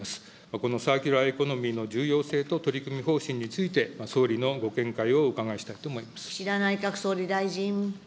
このサーキュラーエコノミーの重要性と取り組み方針について、総理のご見解をお伺いしたいと思います。